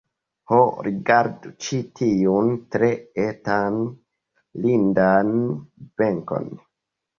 Ho, rigardu ĉi tiun tre etan lindan benkon!